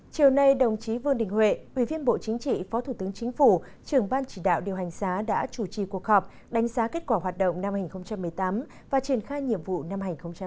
chiều nay đồng chí vương đình huệ ủy viên bộ chính trị phó thủ tướng chính phủ trưởng ban chỉ đạo điều hành giá đã chủ trì cuộc họp đánh giá kết quả hoạt động năm hai nghìn một mươi tám và triển khai nhiệm vụ năm hai nghìn một mươi chín